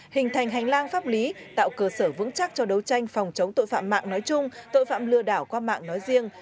hình thành hành lang pháp lý tạo cơ sở vững chắc cho đấu tranh phòng chống tội phạm mạng nói chung tội phạm lừa đảo qua mạng nói riêng